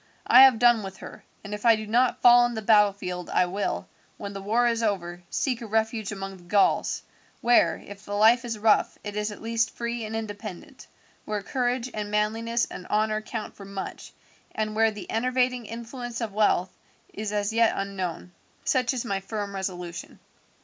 I have done with her; and if I do not fall in the battlefield I will, when the war is over, seek a refuge among the Gauls, where, if the life is rough, it is at least free and independent, where courage and manliness and honour count for much, and where the enervating influence of wealth is as yet unknown. Such is my firm resolution."